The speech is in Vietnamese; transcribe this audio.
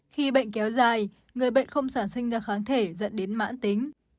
khi bệnh kéo dài người bệnh không sản sinh ra kháng thể dẫn đến mãn tính